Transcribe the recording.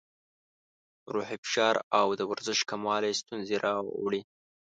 روحي فشار او د ورزش کموالی ستونزې راوړي.